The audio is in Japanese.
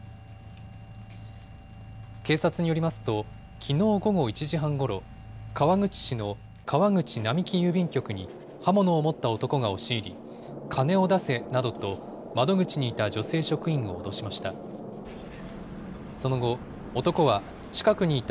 警察によりますと、きのう午後１時半ごろ、川口市の川口並木郵便局に刃物を持った男が押し入り、金を出せなどと、窓口にいた女性職員を脅しました。